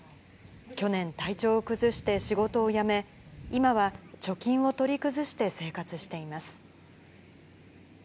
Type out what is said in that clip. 去年、体調を崩して仕事を辞め、今は貯金を取り崩して生活しています。